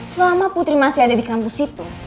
selama putri masih ada di kampus itu